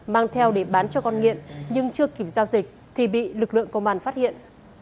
mang theo để bán cho con nghiện nhưng chưa kịp giao dịch thì bị lực lượng công an phát hiện